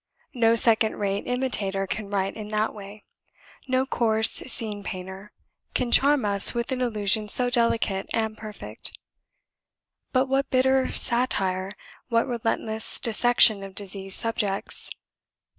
No second rate imitator can write in that way; no coarse scene painter can charm us with an allusion so delicate and perfect. But what bitter satire, what relentless dissection of diseased subjects!